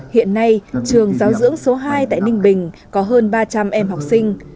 hiện nay trường giáo dưỡng số hai tại ninh bình có hơn ba trăm linh em học sinh